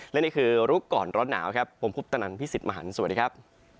วันนี้คือรุกก่อนร้อนหนาวครับผมพุทธนันทร์พี่สิทธิ์มหันศ์สวัสดีครับ